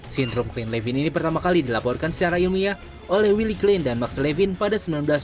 sindrom klein levin ini pertama kali dilaporkan secara ilmiah oleh willie klein dan max levin pada seribu sembilan ratus dua puluh lima